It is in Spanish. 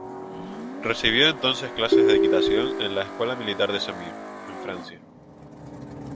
Recibió entonces clases de equitación en la Escuela Militar de Saumur, en Francia.